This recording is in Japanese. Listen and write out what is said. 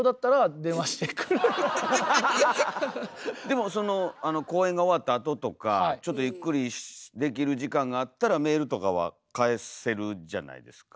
でもその公演が終わったあととかちょっとゆっくりできる時間があったらメールとかは返せるじゃないですか。